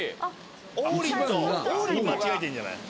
王林間違えてんじゃない？